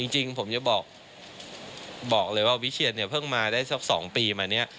จริงผมจะบอกเลยว่าวิเชียนเนี่ยเพิ่งมาได้สัก๒ปีมาเนี่ย